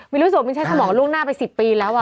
มีนรู้สึกว่าใช้ขะหมอกลูกหน้าไปสิบปีแล้ว